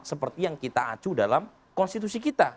seperti yang kita acu dalam konstitusi kita